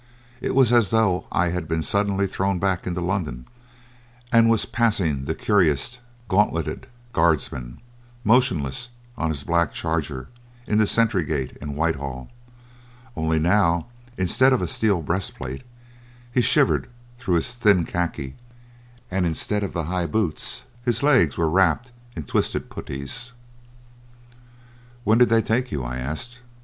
It was as though I had been suddenly thrown back into London and was passing the cuirassed, gauntleted guardsman, motionless on his black charger in the sentry gate in Whitehall. Only now, instead of a steel breastplate, he shivered through his thin khaki, and instead of the high boots, his legs were wrapped in twisted putties. "When did they take you?" I asked.